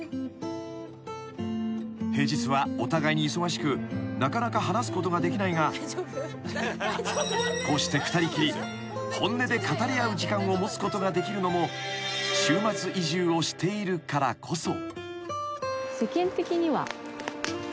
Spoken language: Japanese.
［平日はお互いに忙しくなかなか話すことができないがこうして二人きり本音で語り合う時間を持つことができるのも週末移住をしているからこそ］